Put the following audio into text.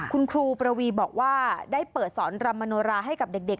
คุณครูประวีบอกว่าได้เปิดสอนรำมโนราให้กับเด็ก